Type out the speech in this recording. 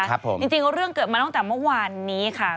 จริงเรื่องเกิดมาตั้งแต่เมื่อวานนี้ค่ะ